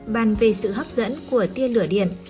bàn về sự hấp dẫn của tiên lửa điện